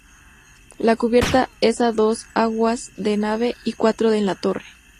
La cubierta es a dos aguas en nave y cuatro en la torre.